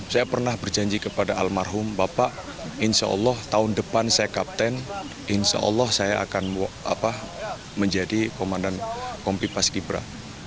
saya pernah berjanji kepada almarhum bapak insya allah tahun depan saya kapten insya allah saya akan menjadi komandan kompi paskibra